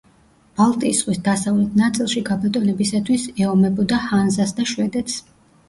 ბალტიის ზღვის დასავლეთ ნაწილში გაბატონებისათვის ეომებოდა ჰანზას და შვედეთს.